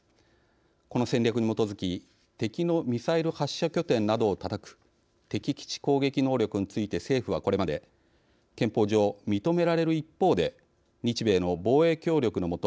この戦略に基づき敵のミサイル発射拠点などをたたく「敵基地攻撃能力」について政府はこれまで憲法上、認められる一方で日米の防衛協力の下